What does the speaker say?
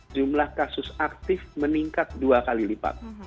jumlah kasus aktif meningkat dua kali lipat